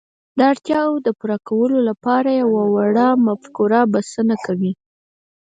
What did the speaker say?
د اړتياوو د پوره کولو لپاره يوه وړه مفکوره بسنه کوي.